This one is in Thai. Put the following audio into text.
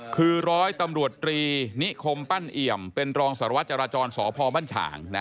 คือร้อยตำรวจตรีนิคมปั้นเอี่ยมเป็นรองสรวจราจรสพช